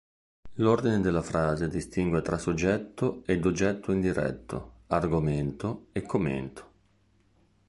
L'ordine della frase distingue tra soggetto ed oggetto indiretto, argomento e commento.